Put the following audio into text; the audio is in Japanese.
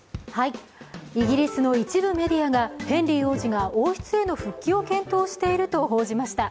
イギリスの一部メディアがヘンリー王子が王室への復帰を検討していると報じました。